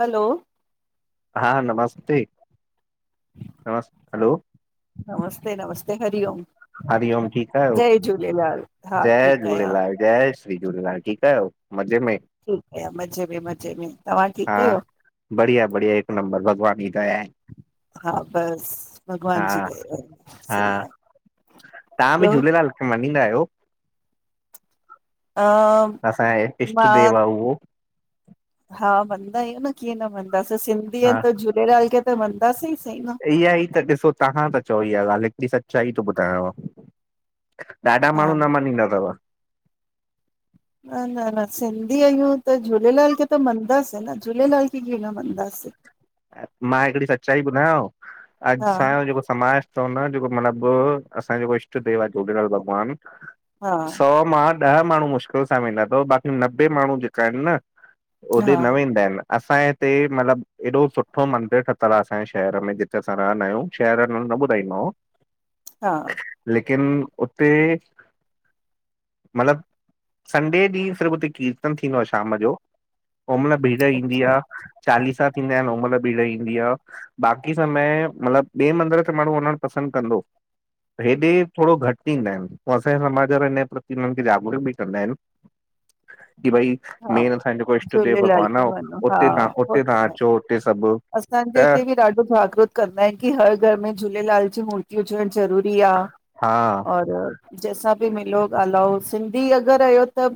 हलो हा नमस्ते हलो नमस्ते नमस्ते हरिओम। हरिओम ठीकु आहियो जय झूलेलाल हा जय ठीकु आहियां झूलेलाल जय झूलेलाल ठीकु आहियो? मज़े में? ठीकु आहे मज़े में मज़े में तव्हां हा ठीकु आहियो? बढ़िया बढ़िया हिकु नंबर भॻवान ई हा बस भॻवान जी हा दया आहे हा सही आहे। तव्हां बि ॿियो झूलेलाल खे मञींदा आयो अ असांए इष्ट मां देव आ उहो। हा मञदा आयूं न कीअं न मञदासीं सिंधी हा आयूं त झूलेलाल खे त मञदासीं सही न इहा ई त ॾिसो तव्हां त चओ इहा ॻाल्हि हिकड़ी सचाई थो ॿुधायांव। ॾाढा माण्हू हा न मञींदा तव। न न न सिंधी आयूं त झूलेलाल खे त मञदासीं न झूलेलाल खे कीअं न मञदासीं मां हिकड़ी सच्चाई ॿुधायांव अॼ हा असांजो जेको समाज चवंदा आहिन जेको मतलबु असांजो जेको इष्ट आहे देव झूलेलाल भॻवान हा सौ मा ॾह माण्हू मुश्किल सां वेंदा तव बाक़ी नबे माण्हू जेका आहिनि न हा होॾे न वेंदा आहिनि। असांजे हिते मतिलब एॾो सुठो मंदीर ठतल आहे असांजे शहर में जिथे असां रहंदा आहियूं शहर ॼो नालो न ॿुधाईंदोमांव। हा। किन उते मतिलबु संडे ॾींहं सिर्फ उते कीर्तन थींदो आ शाम जो। ओ महिल भीड़ ईंदी आहे चालीसा थींदा आहिनि ओहिं भीड़ ईंदी आ बाक़ी समय मतलब ॿिए मंदीर ते माण्हू वञणु पसंद कंदो। हेॾे थोरो घटि ईंदा आहिनि पो असांजे समाज वारा हिन जे प्रति हुननि खे जागरूक ॿि कंदा आहिनि। [inaudible] की भई हा मेन असांजो जेको इष्ट देव झूलेलाल भॻवान आ के मनो हा उते तव्हां हो उते त तव्हां आए। अचो उते सभु असांजे त हिते बि ॾाढो जागृत कंदा आहिनि की हर घर में झूलेलाल जी मूर्तियूं हुजेन ज़रूरी आ हा और जैसां। भी मिलो ॻाल्हायो सिंधी अगरि आयो त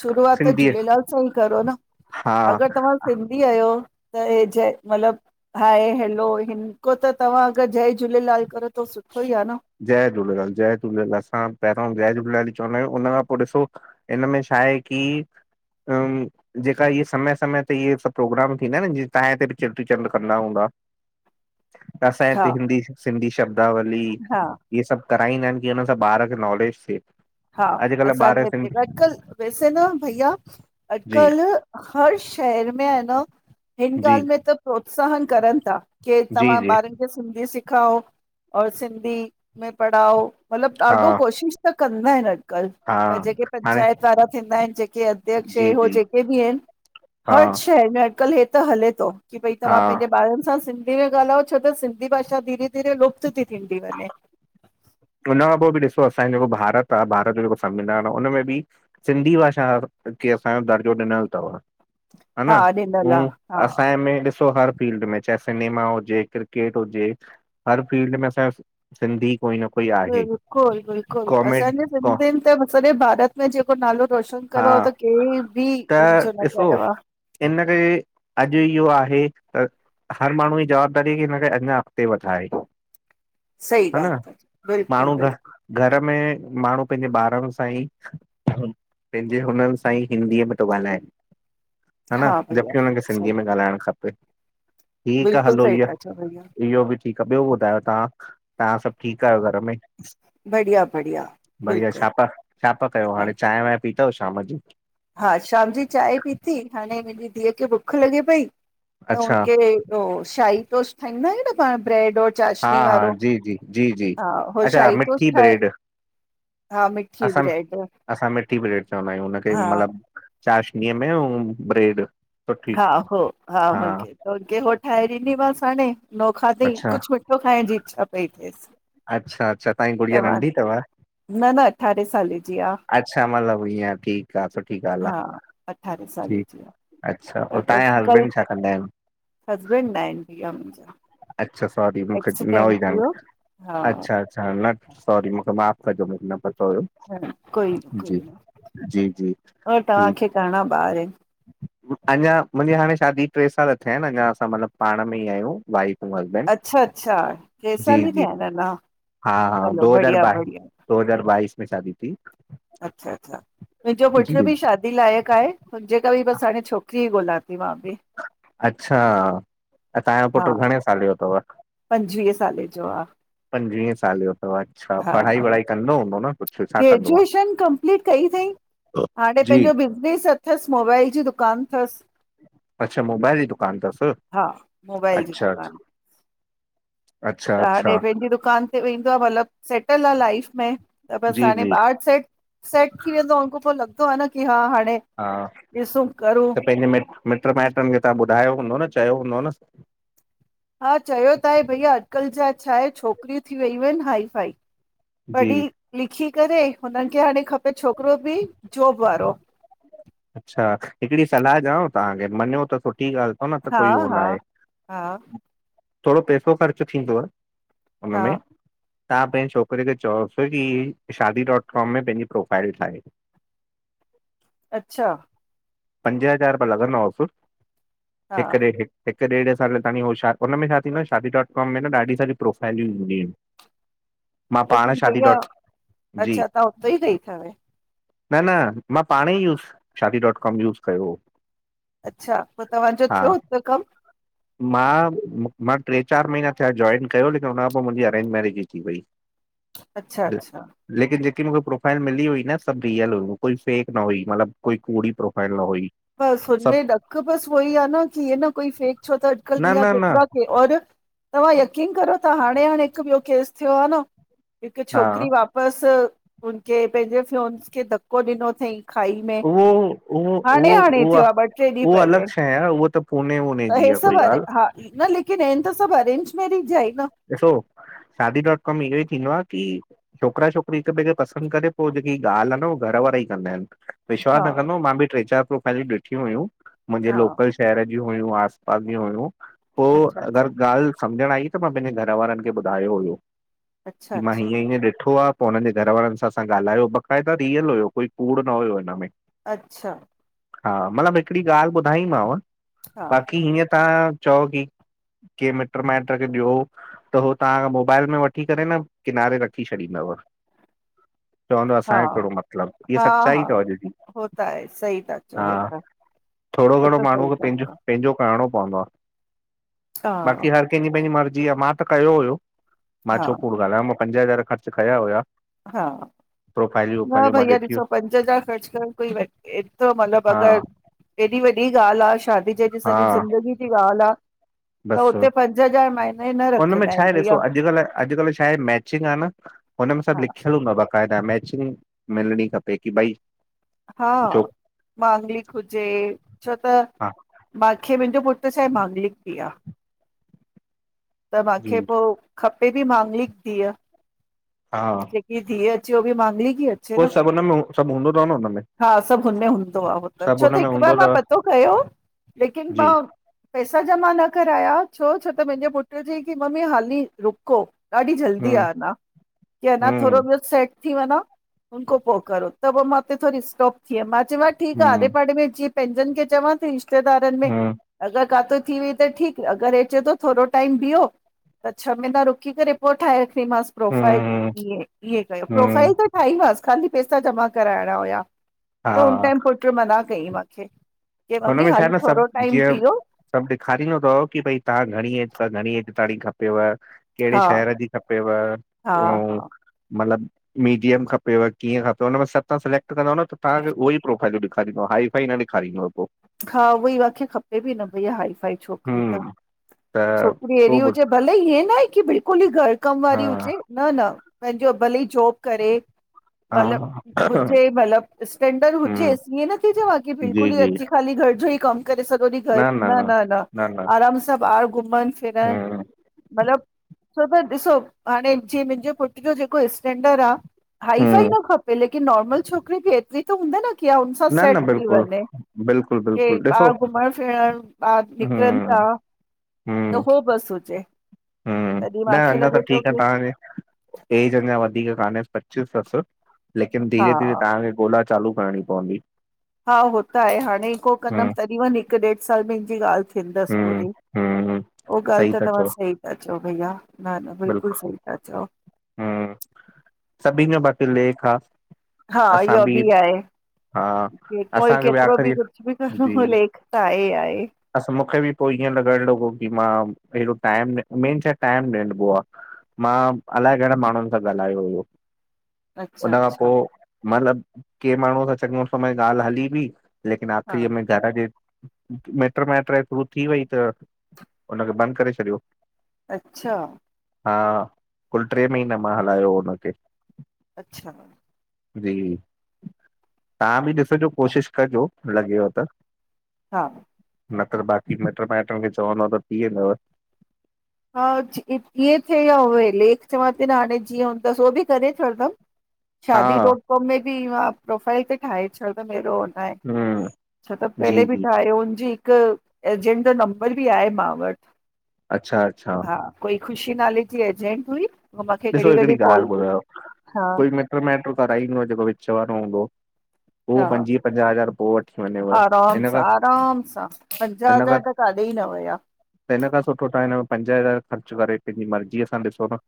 शुरूआत त सिंधी झूलेलाल सां ही करो न हा अगरि तव्हां सिंधी आयो। त हे जय मतलबु हाए हैलो हिनखां त तव्हां अगरि जय झूलेलाल करो त सुठो ई आहे न जय झूलेलाल जय झूलेलाल असां पहिरियों जय झूलेलाल ई चवंदा आहियूं हुन खां पो ॾिसो हिन में छा आहे की। अ जेका इहे समय समय ते इहे सभु प्रोग्राम थींदा आहिनि जीअं तव्हांजे हिते ॿि चेटी चंड्र कंदा हूंदा। [inaudible] असांजे हा हिते हिंदी सिंधी शब्दावली हा इहे सभ कराईंदा आहिनि की हुन सां ॿार खे नॉलेज थिए। हा अॼुकल्ह ॿार असांजे सिंधी हिते अॼुकल्ह वैसे न भईया जी अॼुकल्ह हर शहर मे आ न हिन जी ॻाल्हि में त प्रोत्साहन करनि ता की जी तव्हां जी ॿारनि खे सिंधी सि खाओ और सिंधी में पढ़ाओ मतिलबु हा ॾाढो कोशिश त कंदा आहिनि अॼ कल हा पर जेके हाणे पंचायत वारा थींदा आहिनि जेके अध्यक्ष ऐं जी हो जी जेके बि आहिनि। हा हर शहर में अॼुकल्ह हे त हले तो की भई तव्हां हा पेंजे ॿारनि सां सिं हीअ ॻाल्ह आए छो त सिंधी भाषा धीरे धीरे लुप्त थी थींदी वञे! हुन खां पो ॿि ॾिसो असांजो जेको भारत आ भारत जो जेको संविधान आ हुन में ॿि सिंधी भाषा खे असांजो दर्जो ॾिनल तव हा हा न ॾिनल हू आहे हा असां में ॾिसो हर फिल्ड में चाहे सिनेमा हुजे क्रिकेट हुजे हर फील्ड में असांजो सिंधी कोई न कोई आहे बिल्कुलु बिल्कुलु कॉमेड असांजे को सिंधियुनि त सॼे भारत में जेको नालो रोशन हा कयो। होत केंह ॿि कुझु न कयो आ। हिनखे अॼु इहो आहे। त हर माण्हू जी जवाबदारी की हिनखे अञा अॻिते वधाए। सही हा ॻाल्हि न तव। माण्हू घर में माण्हू पंहिंजे ॿारनि सां ई पेंजे हुननि सां ई हिंदीअ में तो ॻाल्हाए। हा न भईया जबकी हुनखे सही सिंधीअ में ॻाल्हाइणु खपे। ठीकु आ बिल्कुलु हलो सही इहो था चओ भईया, इहो ॿि ठीकु आहे ॿियो ॿुधायो तव्हां तव्हां सभु ठीकु आयो घर ब बढ़िया बढ़िया बिल्कुलु छा छा हा कयो पीता शाम जी। हा, शाम जी चांहि पीती, हाणे मुंहिंजी धीअ खे बुख लॻे पई। त अच्छा हुनखे शाही टोश ठाहींदा आहिूं न पाण ब्रेड हा चाशनी हा, वारो जी जी, जी जी, हा हो अच्छा शाही टोस्ट मिठी ठाहे ब्रेड। हा मिठी असां न, ब्रेड असां मिठी ब्रेड चवंदा आहियूं हुनखे। हा मतलबु चाशनीअ में ब्रेड सुठी हा हो हा होखेे हो ठा आहे मसाण नो खधई अच्छा कुझु मिठो खाइण जी इच्छा पई थिए। अच्छा अच्छा तव्हांजी गुड़िया नंढी अथव। न न अठारें साले जी आहे। अच्छा मतिलबु ईअं ठीकु आहे सुठी ॻाल्हि आहे साल ठीकु जी आ, अच्छा ऐं तव्हांजा त कल हस्बैंड छा कंदा आहिनि हसबैंड [unintelligible] मुंहिंजा। अछा सॉरी मूंखे एक्सीडेंट थी न वियो हा अछा अछा सॉ आप जो भी नंबर था। हा कोई न कोई न जी जी अ, ठीकु तव्हांखे घणा ॿार आहिन? अञा मुंहिंजी हाणे शादी टे साल थिया आहिनि अञा असां मतिलबु पाण में ई आहियूं वाइफ ऐं हसबैंड अच्छा अच्छा टे जी साल ई जी थिया आहिनि नञा? हा हा, दो हज़ार बाइ, दो हज़ार बाईस में शादी थी। अच्छा अच्छा मुंहिंजो पुट जी बि शादी लाइक़ु आहे मुंहिंजे करे बि बसि हाणे छोकिरी ई ॻोल्हां थी मां बि। अच्छा असांजो हा पुटु घणे साल जो तव, पंजवीह साले जो आहे पंजवीहें। हा हूंदो न कुझु छा कंदो आहे ग्रेजुएशन कंपलीट कई अई। हाणे जी पंहिंजो बिज़नेस अथसि मोबाइल जी दुकानु अथसि। अच्छा मोबाइल जी दुकान अथसि हा मोबाइल जी अचछा दुकानु त हाणे पंहिंजी दुकान ते तब सेटल आहे लाइ में त बस जी हाणे जी सेट थी वेंदो। आहे न की हा हाणे हा सूं करूं त पंहिंजे मिट मिट माइटनि खे तव्हां ॿुधायो हूंदो न, चयो हूंदो न? हा चयो त आहे भईया, अॼुकल जा छा आहे, छोकिरियूं थी वियूं आहिनि हाइ फाइ। पढ़ी जी लिखी करे, हुननि खे हाणे खपे छोकिरो बि जॉब वारो। अच्छा हिकिड़ी सलाहु ॾांव तव्हांखे मञियो त ठी ॻाल्हि थो न त हा कोई हो न हा आहे। हा थोरो पैसो ख़र्च थींदव हा हुनमें। तव्हां पंहिंजे छोकिरे खे चओसि की शादी डॉट कॉम में पंहिंजी प्रोफाइल ठाहे। अच्छा। पंज हज़ार रुपया लॻंदवसि, हा हिक ॾेढ हिकु ॾेढ साल ताईी उ हुन में छा थींदो आहे शदी डॉट कॉम में ॾाढी सारी प्रोफाइलूं ईंदियूं आहिनि। मां पाण लेकिन शादी भईया डॉट जी अच्छा त उतो ई गई थव। न न मां पाणे ई use Shaadi dot com use कयो हो। अच्छा पोइ तव्हांजो हा थियो हिक कमु? मां मां टे चारि महीना थिया जॉइन कयो लेकिन हुनखां पोइ मुंहिंजी अरेंज मेरिज जी थी वई। अच्छा ले- अच्छा लेकिन जेकी प्रोफाइल मिली हुई न सभु रियल हुई फेक न हुई मतिलब कोई कूड़ी प्रोफाइल न हुई। बस हुनमें सभु ॾक बस उ ई आहे नी हे न कोई फेक छो त अॼकल्ह न भईया न न केतिरा और। तव्हां यकीन करो त हाणे हाणे हिकु ॿियो केस थियो आहे न हिकु हा छोकिरी वापसि हुनखे पंहिंजे फ्योंस खे धको ॾिनो थईं। ऊहो, ऊहो। उहो, हाणे उहोआ थियो आहे ॿ टे ॾींहं उहो अलॻि पहले शइ आ उहो त पुणे ऊने त जी हे आ सभु कोई अरे ॻाल्हि। हा न लेकिन आहिन त सभु अरेंज मैरेज जा ई। न ॾिसो शादी डोट काँँम ईओ ई थींदो आ की छोकिरा छोकिरी हिक ॿिए खे पसंद करे पोइ जेकी ॻाल्हि आ न उहा घर वारा ई कंदा आहिनि विश्वास हा न कंदो, मां बि टे चारि प्रोफाइलूं ॾिठियूं हुयूं मुंहिंजे हा लोकल शहर जी ॿियूं हुयूं आस पास जूं हुयूं, पोइ अच्छा अच्छा अगरि ॻाल्हि समझण आई त मां पंहिंजे घर वारनि खे ॿुधायो हुयो अच्छा की मां अच्छा हीअं हीअं ॾिठो आ पोइ हुननि जे घर वारनि सां असां ॻाल्हायो, बक़ाइदा रियल हुयो, कोई कूड़ न हुयो हिन में। अच्छा। हा, मतलबु हिकिड़ी ॻाल्हि ॿुधाईमांव हा बाक़ी हीअं तव्हां चओ की, कि मिट माइट खे ॾियो। त हो तां जो मोबाइल में वठी करे न किनारे रखी छॾींदव। चवंदो हा असांजो कहिड़ो मतिलबु इहा हा हा सचाई तव अॼु जी, हो त आहे सही था चओ हा। हे त थोरो हो घणो त माण्हूअ सही खे था पंहिंजो, चओ पंहिंजो करणो व [unintelligible] हा बाक़ी हर कंहिंजी पंहिंजी मर्ज़ी आ, मां त कयो हुयो। मां हा छो कूड़ ॻाल्हायां, मां पंज हज़ार ख़र्च कया हुया। हा। प्रोफाइलियूं ब वोफाइलियूं मां भईया ॾिठियूं ॾिसो पंज हज़ार ख़र्च करणु कोई एतिरो मतिलबु हा अगरि एॾी वॾी ॻाल्हि आ, शादी जैसी सॼी ज़िंदगी जी ॻाल्हि आ। बस हुनमें छा आहिनि आहे, ॾिसो भईया अॼुकल्ह अॼुकल्ह छा आहे मैचिंग आ न हुन उन सां सभु हा लिखियलु हूंदो बक़ाइदा मैचिंग, मिलणी खपे कि भई हा, छो मांगलिक हुजे, छो त हा बाक़ी मुंहिंजो पुट छा आहे, मांगलिक बि आ। त माखे जी पोइ, खपे बि मांगलिक धीअ, जेकी धीअ जो बि मांगलिक ई अचे न हो सभ उन में सभ हा, सभु हुने हूंदो आ हो त, सभु छो त हुन में हिकु बार हूंदो मां अथव पतो कयो हो लेकिन जी भाउ पैसा जमा न कराया छो, छो त मुंहिंजे पुट चयईं की मम्मी हाली रुको। ॾाढी जल्दी आ हम्म अञा, कि अञा थोरो हम्म ॿियो सेट थी वञा, हुन खां पोइ करो त पोइ मां उते थोरी स्टॉप थी वियम। मां चयोम ठीकु आ, हम्म आड़े पाड़े में जीअ पंहिंजनि खे चवां थी रिश्तेदारनि में, हम्म अगरि काथे थी वई त ठीकु, अगरि हे चवे तो थोरो टाईम बीहो, त छह महीना रुकी करे पो ठाहे। थी मांस, प्रोफाइल हम्म ईएं ईएं कयो, प्रोफाइल हम्म त ठाहीमांस। ख़ाली पैसा जमा कराइणा हुया, त हा हुन टाइम पुट मना कईं माखे। हुनमें छाहे न, सभु जीअं सभु ॾेखारींदो तव की भई तव्हां ऐज तव घणी ऐज किथां जी खपेव, कहिड़े हा शहर जी खपेव, हा हा अऊं मतिलब। मीडियम खपेव कीअं खपेव, उनमें सभु तव्हां सिलेक्ट कंदव न तव्हांखे उहो प्रोफाइल खाली दोहाई पई न ॾेखारींदो पोइ। हा, उहोई माखे खपे बि न भईया हाई फाई छोकिरी त। हम्म छोकरी ऐरी पोइ ॿु हुजे, भले ईएं न आहे कि बि कुली घर कम हा वारी हुजे, न न पंहिंजो भलीे जॉब करे। मतिलब हा हुजे, मतिलब स्टैंडर्ड हम्म हुजेस ईएं न चवां कि जी बिल्कुल ई जी खाली घर जो ई कम कि सॼो ॾींहुं घर, न न न आराम सां ॿाहिरि घुमण फिरण हम्म मतिलब, सुबह ॾिसो हाणे जीअं मुंहिंजे पुट जो जेको स्टैंडर्ड आ। हाई फाई हम्म न खपे, लेकिन नॉर्मल छोकिरी खे एतिरी त हूंदी न कि हुन सां न सेट न थी बिल्कुलु वञे। बिल्कुलु के बिल्कुलु ॾिसो ॿाहिर घुमण फिरण, ॿाहिरि निकिरनि हम्म था। त हो बस तो चए। ह्म्, न अञा त ठीकु आ, की तांखे एज अञा वधीक कान्हे पचीस तसि। लेकिन हा धीरे धीेरे तव्हांखे ॻोला चालू करणी पवंदी। हा, हो त आहे हाणे को हूं कंदमि तॾीं वञी हिकु ॾेढ साल में [unintelligible] ॻाल्हि थींदस हूं पूरी। हूं उह ॻाल्हि सही त था तव्हां चओ सही था चओ भैया, न न बिल्कुलु सही था चओ। हा, सभी में बाक़ी लेख आ हा इहो बि हा आहे कोई असांखे केतिरो बि आख़िरी कुछ बि जी करो लेख त आहे आहे। असां मूंखे बि पोइ इअं लॻण लॻो की मां हेॾो टाइम मेन शइ टाइम ॾढबो आ मां इलाए घणनि माण्हुनि सां ॻाल्हायो हुयो। हुन अच्छा खां अच्छा पोइ मतलब के माण्हू त चङ ॻाल्हि हली बि लकिन हा आखिरी में घर जे [unintelligible] मिट माइट थ्रू थी वई, त हुनखे बंदि करे छॾियो। अच्छा। हा, कुल टे महीना मां हलायो हुनखे अच्छा जी तव्हां बि ॾिसजो, कोशिशि कजो लॻेव त हा न त बाक़ी मिट माइटनि खे चवंद त थी वेंदव हा इअं थिए या उहे लेख चवां थी न हाणे जीअं हूंदसि, उहो बि करे खणदम हा शादी डॉट कॉम में बि प्रोफाइल ते ठाहे छॾ [unintelligible] हम्म [unintelligible] छो त जी पहले बि जी ठाहे उनजी हिकु एजेंट जो नंबर बि आहे मां वटि। अच्छा अच्छा। हा कोई ख़ुशी नाले जी एजेंट हुई। मूंखे ॾिसो घड़ी घड़ी हिकिड़ी कॉल ॻाल्हि कई ॿुधायो, हा कोई मिटयूं माइटियूं कराईंदो जेको विच वारो हूंदो हा, उहो पंजवीह पंजाह हज़ार पोइ वठी वञेव आराम हिन सां खां आराम सां, पंजाह हजार त का कॾेई न वया। त हिन खां सुठो तव्हां हिन में पंज हज़ार ख़र्चु करे पंहिंजी मर्ज़ीअ सां ॾिसो न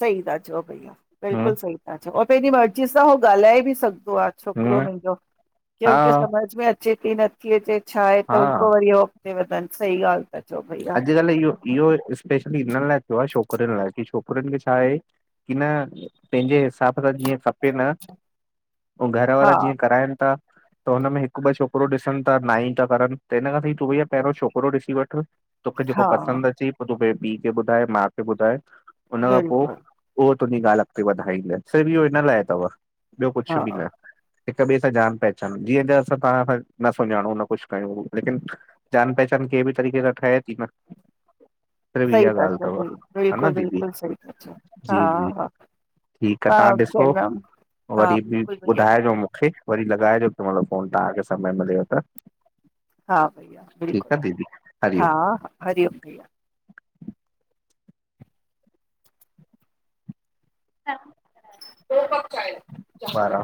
सही त चओ भईया, हम्म बिलकुलु सही त चओ, पंहिंजी मर्ज़ी सां हो ॻाल्हाए बि सघंदो आ छोकिरो हम्म मुंहिंजो खे हा उनखे सम्झ में अचे थी नथी अचे। छा आहे त हुन हा खो वरी अॻिते वधनि सही ॻाल्हि था चओ भईया अॼुकल्ह इहो इहो स्पेशली हिन लाइ थियो आहे छोक छो की छोकिरिन खे छा आहे की न पंहिंजे हिसाब जीअं खपे न ऐं हा घरवारा जीअं कराइनि था। त हुनमें हिकु ॿ छोकिरो ॾिसन ता ना ई था करनि त हिन खां सी तूं भईया पहिरियों छोकिरो ॾिसी वठि तोखे जेको हा पसंदि अचे पोइ तोखे पी खे ॿुधाए मा खे ॿुधाए हुनन खां पोइ बिल्कुलु ओ तुंहिंजी ॻाल्हि अॻिते वधाईंद स इहो हिन लाइ अथव ॿियो कुझुऐ बि हा न हिक ॿिए सां जान पहचान, जीअं त असां तव्हां न सुञाणो न कुझु कयूं, लेकिन जान पहचान कंहिं बि तरीक़े सां ठहे थी न त सही इहा था ॻाल्हि चओ तव भईया हा न बिल्कुलु दीदी बिल्कुलु सही था चओ हा जी जी हा ठीक आहे मां तहां ॾिसो चवंदमि हा वरी भी बिल्कुलु भईया ॿुधाइजो मुंखे वरी लॻाइजो कंहिं महिल फोन, तव्हांखे समय मिलेव त हा भैया ठीकु आहे दीदी बिल्कुलु हा हरिओम हा हरिओम भईया। [inaudible] हा उह प वारा